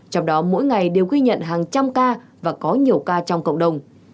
trong đó mỗi ngày đều ghi nhận hàng trăm ca và có nhiều ca trong cộng đồng